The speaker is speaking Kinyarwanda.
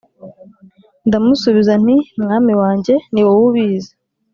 Ndamusubiza nti “Mwami wanjye, ni wowe ubizi.”